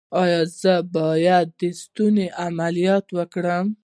ایا زه باید د ستوني عملیات وکړم؟